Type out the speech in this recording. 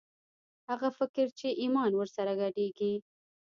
هغه فکر چې ایمان ور سره ګډېږي